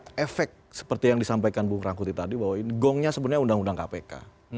dan efek seperti yang disampaikan bu ngerai kerangkuti tadi bahwa gongnya sebenarnya undang undang kpk